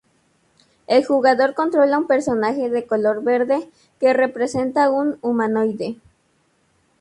El jugador controla un personaje de color verde, que representa un humanoide.